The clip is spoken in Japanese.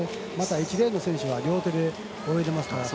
１レーンの選手は両手で泳いでますから。